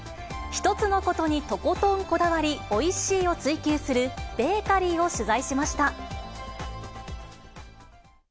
一つのことにとことんこだわり、おいしいを追求する、ベーカリーを取材しました。